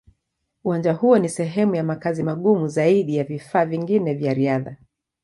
Uwanja huo ni sehemu ya makazi magumu zaidi ya vifaa vingine vya riadha.